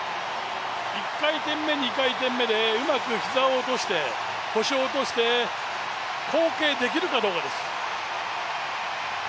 １回転目、２回転目でうまく膝を落として、腰を落として後傾できるかどうかです。